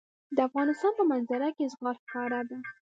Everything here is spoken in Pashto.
د افغانستان په منظره کې زغال ښکاره ده.